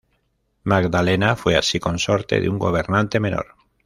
Magdalena fue así consorte de un gobernante menor.